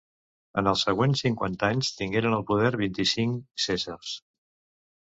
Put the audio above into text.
En els següents cinquanta anys, tingueren el poder vint-i-cinc cèsars.